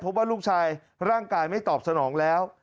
ว่าลูกชายร่างกายไม่ตอบสนองแล้ว